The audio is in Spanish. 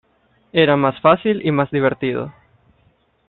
Era más fácil y más divertido".